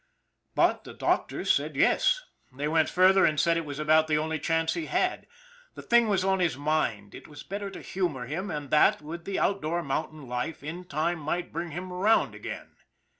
But the doctors said yes. They went further and said it was about the only chance he had. The thing was on his mind. It was better to humor him, and that, with the outdoor mountain life, in time might bring him around again.